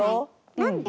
何で？